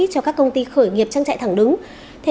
cho các công ty khởi động công nghiệp